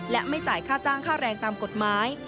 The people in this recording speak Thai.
และไม่จ่ายค่าจ้างค่าแรงตามกฎหมาย